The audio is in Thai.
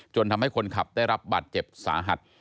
ทำให้คนขับได้รับบาดเจ็บสาหัส